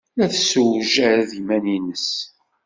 La tessewjad iman-nnes.